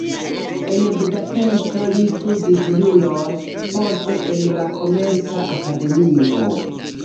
En Budapeŝto li studis juron, poste en la komerca akademio.